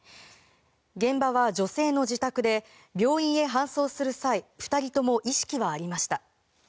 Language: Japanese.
現場は女性の自宅で病院へ搬送する際２人とも意識はありました。